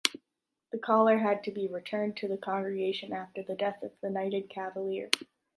The collar had to be returned to the congregation after the death of the knighted cavalier.